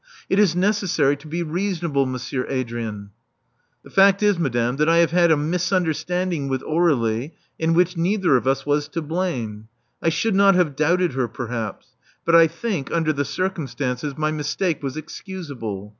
It is necessary to be reason able. Monsieur Adrian." •*The fact is, madame, that I have had a misunder standing with Aur^lie in which neither of us was to blame. I should not have doubted her, perhaps; but I think, under the circumstances, my mistake was excusable.